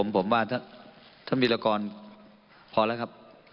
ผมว่าถ้ามีละกรพอแล้วครับ